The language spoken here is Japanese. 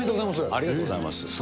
ありがとうございます。